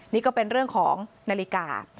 นี่ก็เป็นเรื่องของนาฬิกา